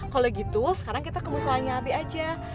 kalo gitu sekarang kita ke muz sholahnya abi aja